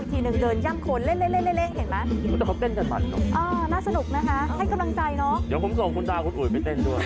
เท่าไหร่ฮะวิทยาสูรค่ะ